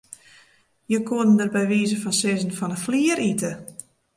Men koe der by wize fan sizzen fan 'e flier ite.